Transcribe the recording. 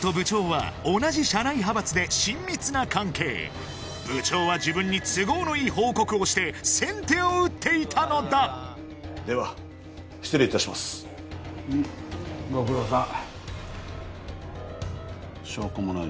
実は部長は自分に都合のいい報告をして先手を打っていたのだではうんご苦労さん